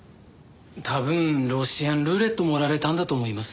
多分ロシアンルーレット盛られたんだと思います。